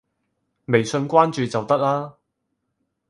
微信關注就得啦